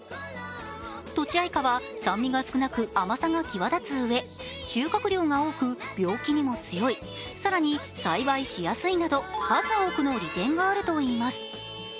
とちあいかは、酸味が少なく甘さが際立つうえ収穫量が多く病気にも強い、更に栽培しやすいなど数多くの利点があるといいます。